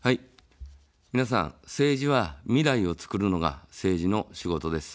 皆さん、政治は未来をつくるのが政治の仕事です。